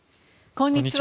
こんにちは。